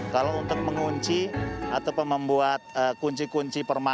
kalau untuk mengunci atau membuat kunci kunci permainan